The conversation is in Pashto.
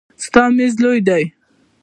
ستا میز لوی دی.